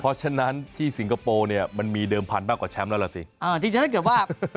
เพราะฉะนั้นที่สิงคโปร์มันมีเดิมพันธุ์มากกว่าแชมป์แล้วเหรอสิ